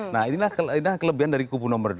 nah inilah kelebihan dari kubu nomor dua